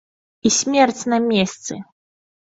І смерць на месцы!